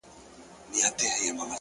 اغــــزي يې وكـــرل دوى ولاړل تريــــنه؛